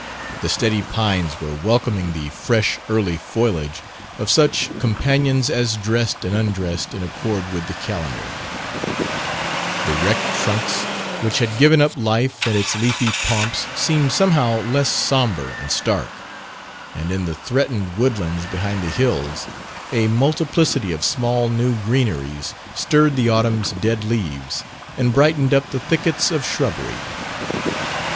The steady pines were welcoming the fresh early foliage of such companions as dressed and undressed in accord with the calendar; the wrecked trunks which had given up life and its leafy pomps seemed somehow less sombre and stark; and in the threatened woodlands behind the hills a multiplicity of small new greeneries stirred the autumn's dead leaves and brightened up the thickets of shrubbery.